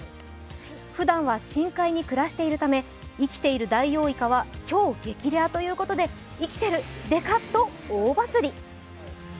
ふだんは深海に暮らしているため生きているダイオウイカは超激レアということで生きている、デカ！と大バズり。